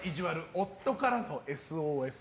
夫からのＳＯＳ。